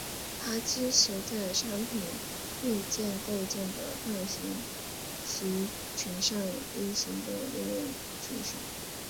它支持在商品硬件构建的大型集群上运行的应用程序。